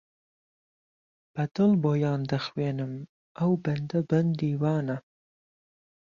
بە دڵ بۆیان دەخوێنم ئەو بەندە بەندی وانە